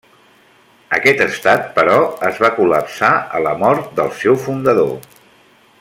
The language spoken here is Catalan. Aquest Estat, però, es va col·lapsar a la mort del seu fundador.